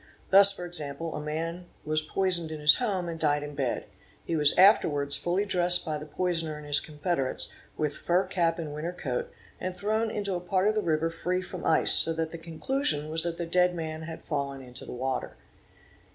Thus for example a man "was poisoned in his home and died in bed. He was afterwards fully _ dressed by the poisoner and his confederates, with fur cap and winter ane AFR CREAN AARNE AMET ED RAS ANA FF i, coat, and thrown into a part of the river free from ice, so that the con _ clusion was that the dead man had fallen into the water.